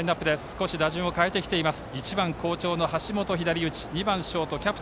少し打順を変えてきています。